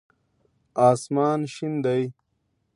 آسمان شين دی.